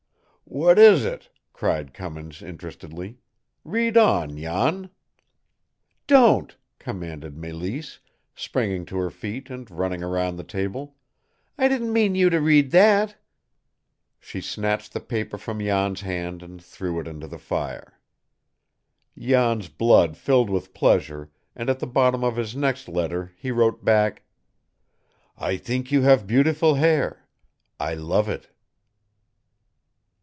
'" "What is it?" cried Cummins interestedly. "Read on, Jan." "Don't!" commanded Mélisse, springing to her feet and running around the table. "I didn't mean you to read that!" She snatched the paper from Jan's hand and threw it into the fire. Jan's blood filled with pleasure, and at the bottom of his next letter he wrote back: "I think you have beautiful hair. I love it."